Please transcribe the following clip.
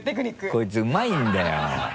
こいつうまいんだよ。